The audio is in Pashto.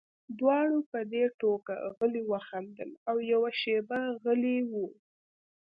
دواړو په دې ټوکه غلي وخندل او یوه شېبه غلي وو